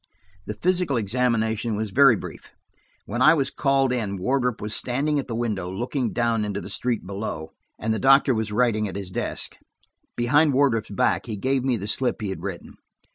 The physical examination was very brief; when I was called in Wardrop was standing at the window looking down into the street below, and the doctor was writing at his desk. Behind Wardrop's back he gave me the slip he had written.